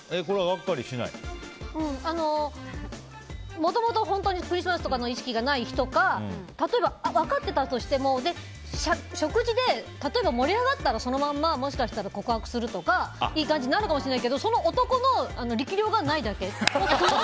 もともと本当にクリスマスとかの意識がない人か例えば、分かっていたとしても食事で、例えば盛り上がったら、そのままもしかしたら告白するとかいい感じになるかもしれないけどその男の力量がないだけ。